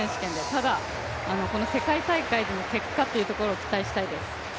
ただ、この世界大会での結果というところを期待したいです。